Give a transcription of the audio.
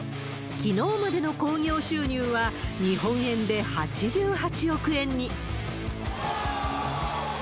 きのうまでの興行収入は、日本円で８８億円に。